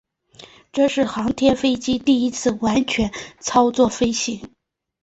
这是航天飞机第一次完全操作飞行。